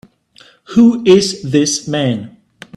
Who is this man?